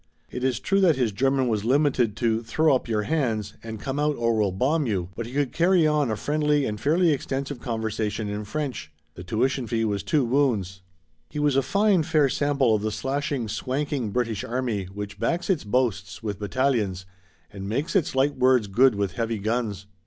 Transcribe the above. It is true that his German was limited to "Throw up your hands" and "Come out or we'll bomb you," but he could carry on a friendly and fairly extensive conversation in French. The tuition fee was two wounds. He was a fine, fair sample of the slashing, swanking British army which backs its boasts with battalions and makes its light words good with heavy guns.